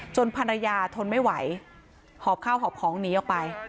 ภรรยาทนไม่ไหวหอบข้าวหอบของหนีออกไป